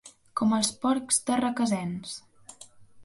Com els porcs de Requesens.